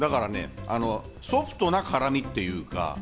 ソフトな辛みっていうか。